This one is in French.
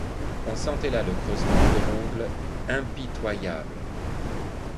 On sentait là le creusement de l’ongle impitoyable.